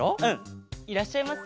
いらっしゃいませ。